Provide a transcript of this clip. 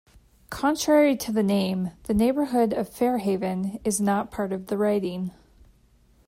Contrary to the name, the neighbourhood of Fairhaven is not part of the riding.